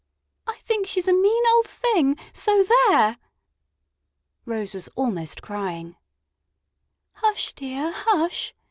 "I think she's a mean old thing so there!" Rose was almost crying. "Hush, dear, hush!"